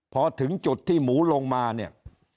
พอถึงจุดที่หมูลงมาเนี่ย